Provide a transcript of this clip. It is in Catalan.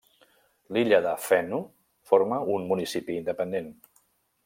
L'illa de Fanø forma un municipi independent.